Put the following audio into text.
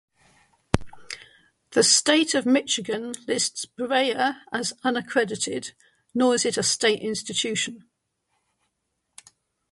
The State of Michigan lists Breyer as unaccredited, nor is it a state institution.